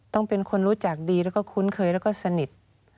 ต้องเป็นคนรู้จักดีแล้วก็คุ้นเคยแล้วก็สนิท